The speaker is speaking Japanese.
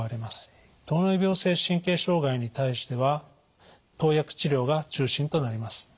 糖尿病性神経障害に対しては投薬治療が中心となります。